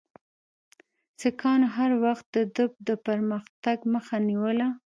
سیکهانو هر وخت د ده د پرمختګ مخه نیوله.